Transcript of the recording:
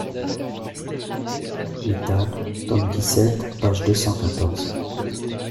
Ital., tome dix-sept, page deux cent quatorze.